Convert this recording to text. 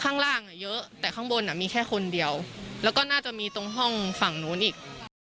ข้างล่างเยอะแต่ข้างบนมีแค่คนเดียวแล้วก็น่าจะมีตรงห้องฝั่งนู้นอีก